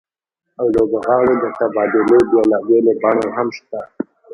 او لوبغاړو د تبادلې بېلابېلې بڼې هم شته